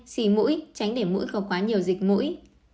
xì mũi tránh để mũi có quá nhiều dịch mũi